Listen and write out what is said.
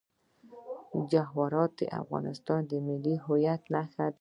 جواهرات د افغانستان د ملي هویت نښه ده.